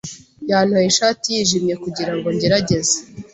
Yantoye ishati yijimye kugirango ngerageze.